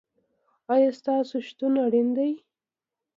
ایا ستاسو شتون اړین دی؟